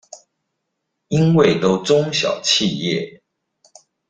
因為都中小企業？